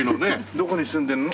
「どこに住んでるの？」